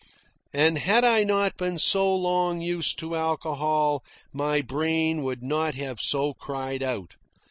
And had I not been so long used to alcohol, my brain would not have so cried out.